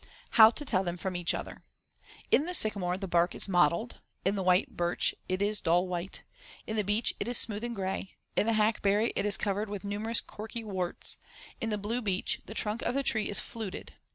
How to tell them from each other: In the sycamore, the bark is mottled; in the white birch, it is dull white; in the beech, it is smooth and gray; in the hackberry, it is covered with numerous corky warts; in the blue beech, the trunk of the tree is fluted, as in Fig.